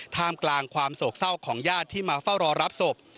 ท่ามกลางความโศกเศร้าของญาติที่มาเฝ้ารอรับศพ